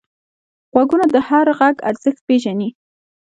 غوږونه د هر غږ ارزښت پېژني